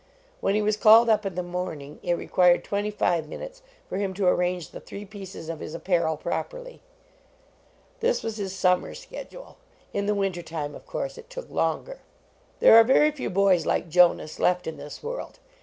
When he was called up in the morning, it required twenty five minutes for him to arrange the three pieces of his apparel properly. This was his summer schedule. In the winter time, of course, it took longer. There are very few boys like Jonas left in this world.